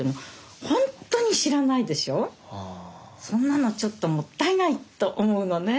そんなのちょっともったいないと思うのね。